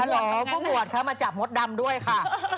ฮลอโหลผู้หมวดเข้ามาจับมดดำด้วยค่ะ